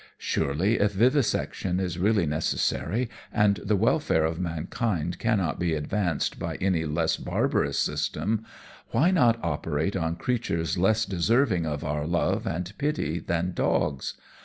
Surely if vivisection is really necessary, and the welfare of mankind cannot be advanced by any less barbarous system, why not operate on creatures less deserving of our love and pity than dogs?